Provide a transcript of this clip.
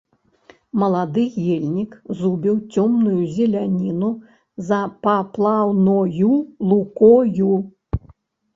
Малады ельнік зубіў цёмную зеляніну за паплаўною лукою.